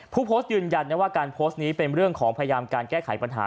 ผู้โพสต์ยืนยันนะว่าการโพสต์นี้เป็นเรื่องของพยายามการแก้ไขปัญหา